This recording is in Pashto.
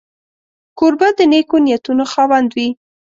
کوربه د نېکو نیتونو خاوند وي.